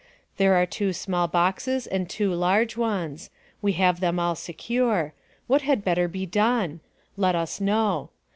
There are two small boxes and two large ones; we have them all secure; what had better be done? Let us know.